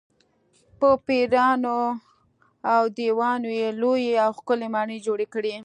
په پېریانو او دیوانو یې لویې او ښکلې ماڼۍ جوړې کړې.